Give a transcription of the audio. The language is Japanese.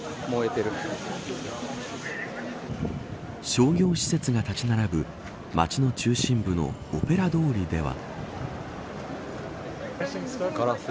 商業施設が立ち並ぶ街の中心部のオペラ通りでは。